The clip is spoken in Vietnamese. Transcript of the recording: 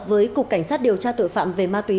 với cục cảnh sát điều tra tội phạm về ma túy